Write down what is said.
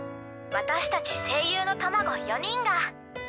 私たち声優の卵４人が。